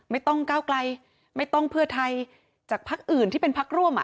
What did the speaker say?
ไม่ต้องก้าวไกลไม่ต้องเพื่อไทยจากพักอื่นที่เป็นพักร่วม